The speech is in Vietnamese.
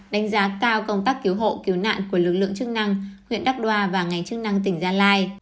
đánh giá cao công tác cứu hộ cứu nạn của lực lượng chức năng huyện đắc đoa và ngành chức năng tỉnh gia lai